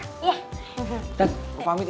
tante aku pamit ya